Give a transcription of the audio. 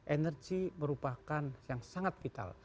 energi merupakan yang sangat vital